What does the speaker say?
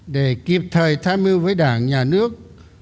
để kịp thời tham mưu với đảng nhà nước